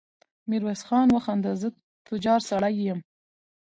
ميرويس خان وخندل: زه تجار سړی يم.